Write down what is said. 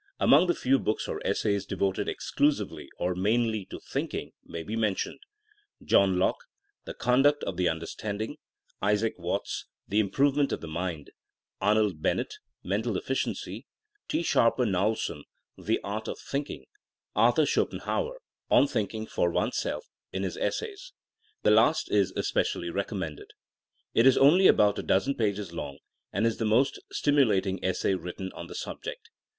Among the few books or essays devoted exclusively or mainly to thinking may be mentioned: — John Locke, The Conduct of the Understanding; Isaac Watts, The Improvement of the Mind; Arnold Bennett, Mental Efficiency; T. Sharper Knowlson, The Art of Thinking; Arthur Scho penhauer, On Thinking for Oneself, in his Es says. The last is especially recommended. It is only about a dozen pages long, and is the most stimulating essay written on the subject.